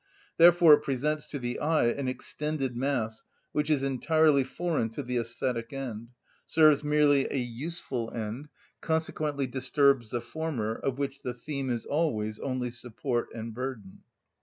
Therefore it presents to the eye an extended mass which is entirely foreign to the æsthetic end, serves merely a useful end, consequently disturbs the former, of which the theme is always only support and burden.